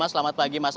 selamat pagi mas